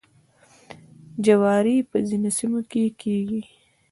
جواری په ځینو سیمو کې کیږي.